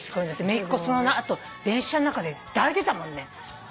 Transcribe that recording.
めいっ子その後電車の中で抱いてたもんね。